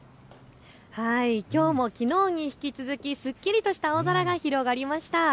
きょうもきのうに引き続きすっきりとした青空が広がりました。